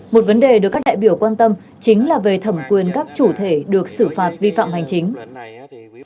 một vấn đề được các đại biểu quan tâm chính là về thẩm quyền các chủ thể được xử phạt vi phạm hành chính